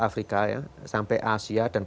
afrika sampai asia dan